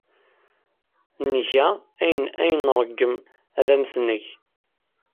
Nga ayen ay nṛeggem ad am-t-neg.